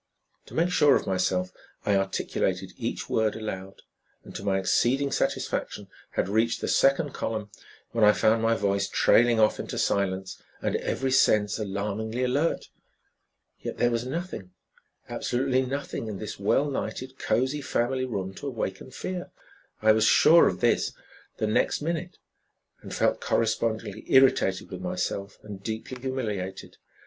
To make sure of myself, I articulated each word aloud, and to my exceeding satisfaction had reached the second column when I found my voice trailing off into silence, and every sense alarmingly alert. Yet there was nothing, absolutely nothing in this well lighted, cozy family room to awaken fear. I was sure of this the next minute, and felt correspondingly irritated with myself and deeply humiliated.